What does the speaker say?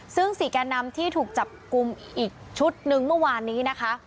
ซึ่ง๔แก่นำที่ถูกจับกลุ่มอีกชุดหนึ่งเมื่อวานนี้นะคะ